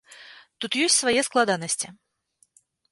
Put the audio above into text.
Тут ёсць свае складанасці.